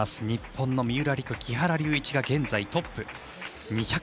日本の三浦璃来、木原龍一が現在トップ。